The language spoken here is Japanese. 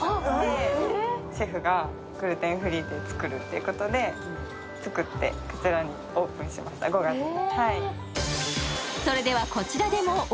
シェフがグルテンフリーで作るってことで作って、こちらにオープンしました、５月に。